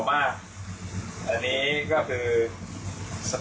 ไม่ขาวใช่มั้ยครับ